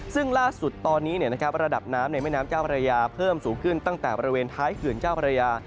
ซึ่งล่าสุดตอนนี้ระดับน้ำในแม่น้ำเจ้าพระยาเพิ่มสูงขึ้นตั้งแต่บริเวณท้ายเขื่อนเจ้าพระยา